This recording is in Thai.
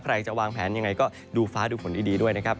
ใครจะวางแผนยังไงก็ดูฟ้าดูฝนดีด้วยนะครับ